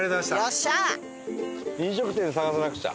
飲食店探さなくちゃ。